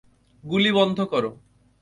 গুলি বন্ধ করো।